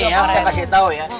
nih yang saya kasih tau ya